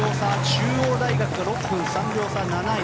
中央大学が６分３秒差７位。